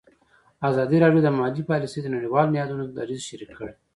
ازادي راډیو د مالي پالیسي د نړیوالو نهادونو دریځ شریک کړی.